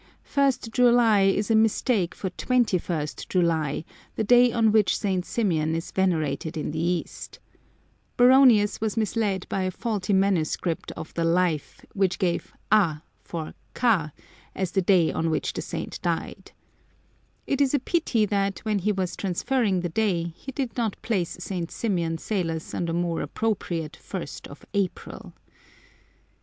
ist July is a mistake for 21st July, the day on which St. Symeon is venerated in the East. Baronius was misled by a faulty manuscript of the Life^ which gave a for Ka^ as the day on which 174 w I the ; f trans Some Crazy Saints L the saint died. It is a pity that, when he was transferring the day, he did not place St. Symeon Salos on the more appropriate ist of April.